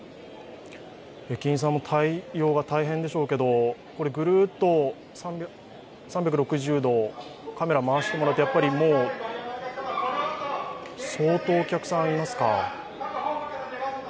駅員さんも対応が大変でしょうけどこれぐるっと３６０度、カメラ回してもらうともう相当お客さんいますか。